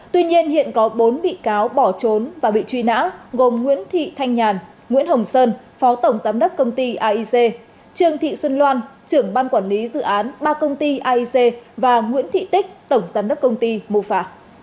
tuy nhiên hiện có bốn bị cáo bỏ trốn và bị truy nã gồm nguyễn thị thanh nhàn nguyễn hồng sơn phó tổng giám đốc công ty aic trương thị xuân loan trưởng ban quản lý dự án ba công ty aic và nguyễn thị tích tổng giám đốc công ty mô phả